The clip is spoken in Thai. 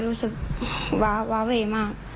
รู้สึกวาเวมาก